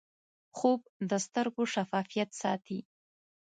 خوب د سترګو شفافیت ساتي